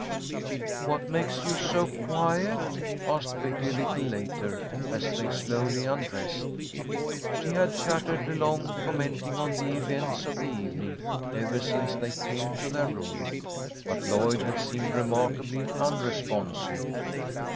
"What makes you so quiet?" asked Betty, a little later, as they slowly undressed. She had chattered along, commenting on the events of the evening, ever since they came to their room, but Lloyd had seemed remarkably unresponsive.